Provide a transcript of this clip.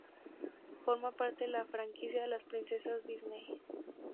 Forma parte de la franquicia de las Princesas Disney.